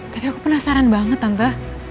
tapi aku penasaran banget tante